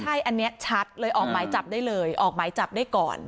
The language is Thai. ใช่อันนี้ชัดเลยออกหมายจับได้เลยออกหมายจับได้ก่อน